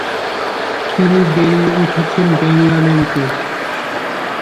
তিনি বেড়ে উঠেছেন বেঙ্গালুরুতে।